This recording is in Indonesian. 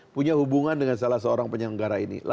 punya hubungan dengan salah seorang penyelenggara ini